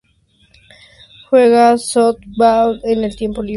Juega softball en su tiempo libre.